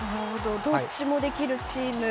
どっちもできるチームと。